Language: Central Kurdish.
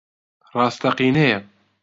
ڕاستەقینەیە؟